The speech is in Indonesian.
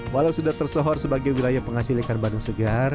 walau sudah tersohor sebagai wilayah penghasil ikan bandeng segar